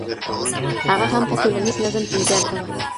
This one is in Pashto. هغه هم په ټولنیز نظم ټینګار کاوه.